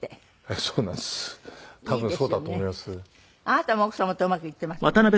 あなたも奥様とうまくいってますよね。